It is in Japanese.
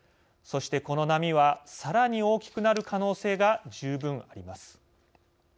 そして、この波はさらに大きくなる可能性が十分あります。